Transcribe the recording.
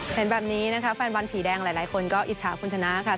เห็นแบบนี้นะคะแฟนบอลผีแดงหลายคนก็อิจฉาคุณชนะค่ะ